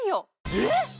えっ⁉